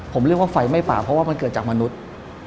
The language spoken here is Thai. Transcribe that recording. ผมเรียกว่าไฟไหม้ป่าเพราะว่ามันเกิดจากมนุษย์